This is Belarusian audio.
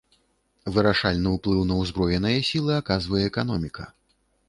Вырашальны ўплыў на ўзброеныя сілы аказвае эканоміка.